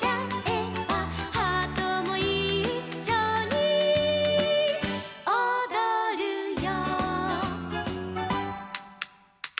「ハートもいっしょにおどるよ」